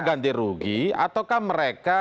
ganti rugi ataukah mereka